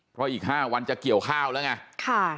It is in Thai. เพราะอีก๕วันจะเกี่ยวข้าวแล้วไง